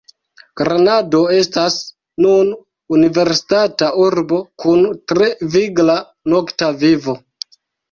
Granado estas nun universitata urbo, kun tre vigla nokta vivo.